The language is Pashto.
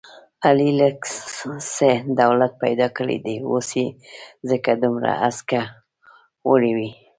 علي لږ څه دولت پیدا کړی دی، اوس یې ځکه دومره هسکه وړوي...